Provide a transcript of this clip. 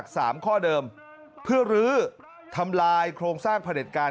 สามข้อเดิมเพื่อลื้อทำลายโครงสร้างผลิตการ